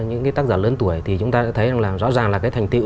những cái tác giả lớn tuổi thì chúng ta thấy rõ ràng là cái thành tiệu